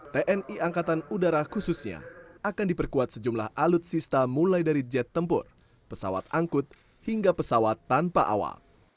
tni angkatan udara khususnya akan diperkuat sejumlah alutsista mulai dari jet tempur pesawat angkut hingga pesawat tanpa awal